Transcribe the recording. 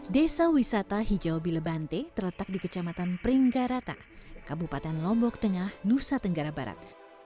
desa wisata hijau bilebante terletak di kecamatan pringgarata kabupaten lombok tengah nusa tenggara barat